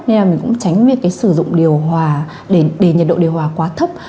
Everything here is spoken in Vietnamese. nên là mình cũng tránh việc cái sử dụng điều hòa để nhiệt độ điều hòa quá thấp